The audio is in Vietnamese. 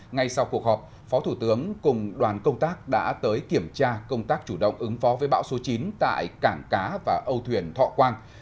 ngay sau cuộc họp phó thủ tướng cùng đoàn công tác đã tới kiểm tra công tác chủ động ứng phó với bão số chín tại cảng cá và âu thuyền thọ quang